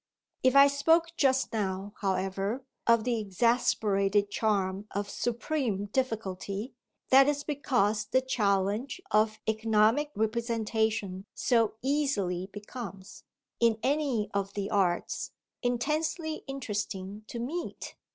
If I spoke just now, however, of the "exasperated" charm of supreme difficulty, that is because the challenge of economic representation so easily becomes, in any of the arts, intensely interesting to meet.